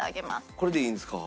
これでいいんですか？